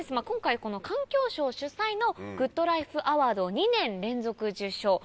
今回環境省主催のグッドライフアワードを２年連続受賞。